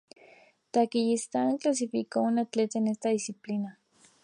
Tayikistán clasificó a un atleta en esta disciplina.